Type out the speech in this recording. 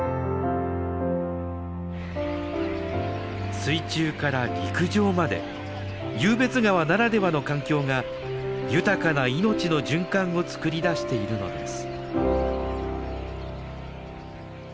水中から陸上まで湧別川ならではの環境が豊かな命の循環を作り出しているのです。